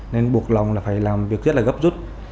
nên buộc lòng là phải làm việc rất là gấp rút